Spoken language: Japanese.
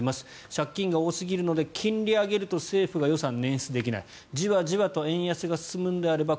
借金が多すぎるので金利を上げると政府が予算を捻出できないじわじわと円安が進むのであれば